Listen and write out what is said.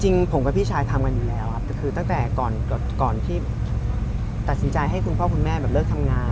จริงผมกับพี่ชายทำกันอยู่แล้วครับแต่คือตั้งแต่ก่อนที่ตัดสินใจให้คุณพ่อคุณแม่แบบเลิกทำงาน